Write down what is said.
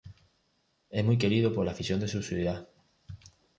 Es muy querido por la afición de su ciudad.